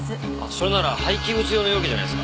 それなら廃棄物用の容器じゃないですか？